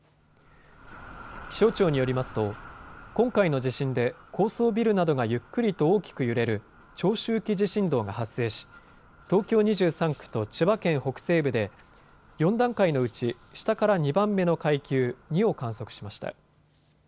気象庁によりますと今回の地震で高層ビルなどがゆっくりと大きく揺れる長周期地震動が発生し東京２３区と千葉県北西部で４段階のうち下から２番目の階級、２を観測しました。